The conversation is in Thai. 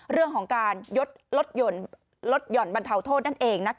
เรื่องของการลดหย่อนบรรเทาโทษนั่นเอง